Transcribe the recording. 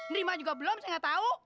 nerima juga belum saya nggak tahu